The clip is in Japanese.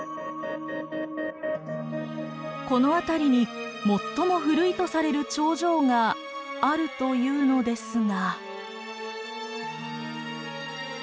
この辺りに最も古いとされる長城があるというのですが。